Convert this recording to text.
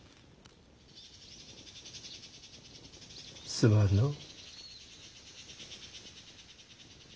すまんのう。